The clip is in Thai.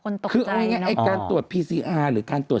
เดี๋ยวคนตกใจนะครับ